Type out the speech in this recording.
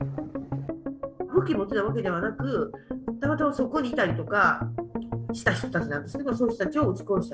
武器を持っていたわけではなく、たまたまそこにいたりとかした人たち、その人たちを撃ち殺した。